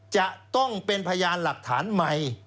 จะต้องเป็นพยานหลักฐานใหม่